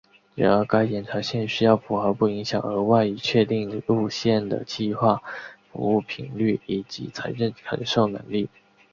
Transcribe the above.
然而该延长线需要符合不影响额外已确定路线的计划服务频率以及财政承受能力。